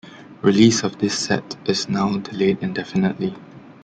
Release of this set is now delayed indefinitely.